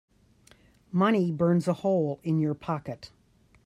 Money burns a hole in your pocket.